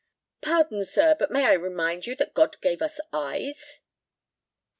"Pardon, sir; but may I remind you that God gave us eyes!"